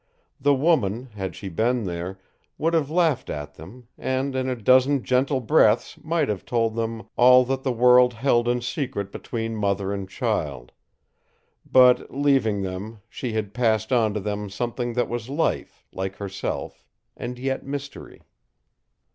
The woman, had she been there, would have laughed at them, and in a dozen gentle breaths might have told them all that the world held in secret between mother and child; but, leaving them, she had passed on to them something that was life, like herself, and yet mystery.